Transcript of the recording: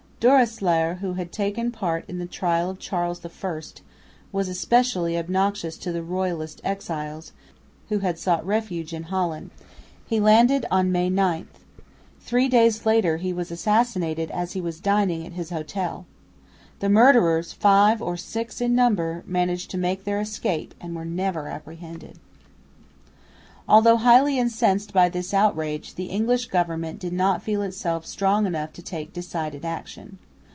Doreslaer, who had taken part in the trial of Charles I, was specially obnoxious to the royalist exiles, who had sought refuge in Holland. He landed on May 9. Three days later he was assassinated as he was dining at his hotel. The murderers, five or six in number, managed to make their escape and were never apprehended. Although highly incensed by this outrage, the English Government did not feel itself strong enough to take decided action.